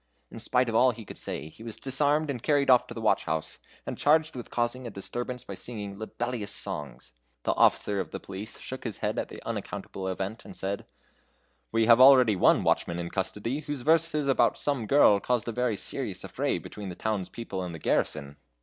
In spite of all he could say, he was disarmed and carried off to the watch house, and charged with causing a disturbance by singing libellous songs. The officer of the police shook his head at the unaccountable event, and said: "We have already one watchman in custody, whose verses about some girl caused a very serious affray between the town's people and the garrison."